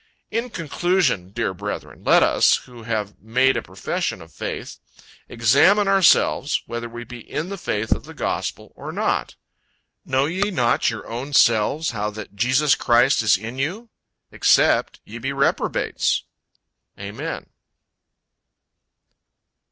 In conclusion, dear brethren, let us, who have made a profession of faith, examine ourselves, whether we be in the faith of the gospel, or not. "Know ye not your own selves how that Jesus Christ is in you, except ye be reprobates." AMEN.